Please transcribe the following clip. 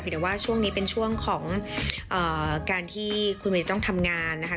แต่ว่าช่วงนี้เป็นช่วงของการที่คุณเมย์ต้องทำงานนะคะ